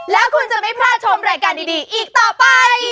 แล้วคุณจะไม่พลาดชมรายการดีอีกต่อไป